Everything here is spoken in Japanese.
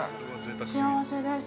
◆幸せです。